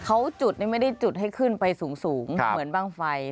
เขาจุดนี่ไม่ได้จุดให้ขึ้นไปสูงเหมือนบ้างไฟ